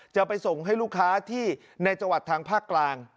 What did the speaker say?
จะไปส่งให้ลูกค้าที่ในจังหวัดทางภาคกลาง